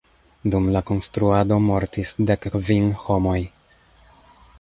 Dum la konstruado mortis dek kvin homoj.